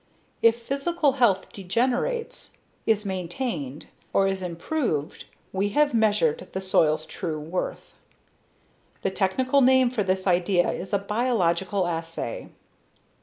If physical health degenerates, is maintained, or is improved we have measured the soil's true worth. The technical name for this idea is a "biological assay."